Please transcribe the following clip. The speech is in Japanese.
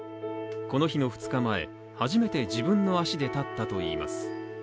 この日の２日前、初めて自分の足で立ったといいます。